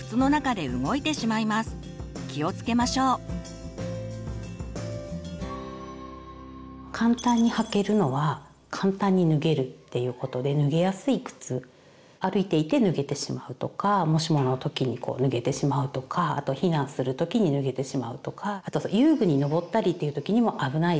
気をつけましょう。っていうことで脱げやすい靴歩いていて脱げてしまうとかもしもの時にこう脱げてしまうとかあと避難する時に脱げてしまうとかあと遊具にのぼったりという時にも危ないです。